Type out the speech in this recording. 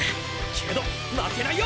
けど負けないよ。